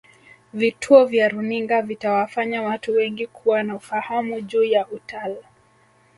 vituo vya runinga vitawafanya watu wengi kuwa na ufahamu juu ya utal